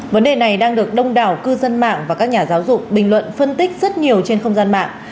vấn đề này đang được đông đảo cư dân mạng và các nhà giáo dục bình luận phân tích rất nhiều trên không gian mạng